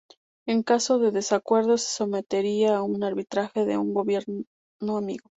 En caso de desacuerdo se sometería a un arbitraje de un gobierno amigo.